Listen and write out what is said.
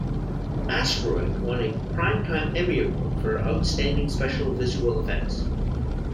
"Asteroid" won a Primetime Emmy Award for Outstanding Special Visual Effects.